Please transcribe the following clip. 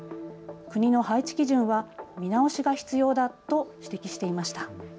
国の配置基準は見直しが必要だと指摘していました。